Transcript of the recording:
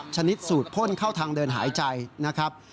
ชนิดสูตรพ่นเข้าทางเดินหายใจนะครับ